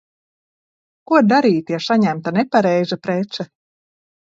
Ko darīt, ja saņemta nepareiza prece?